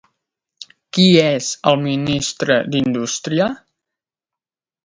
Qui és el ministre d'Indústria?